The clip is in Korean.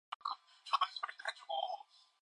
동명과 번지를 가르쳐 주고 설성월은 먼저 나아갔다.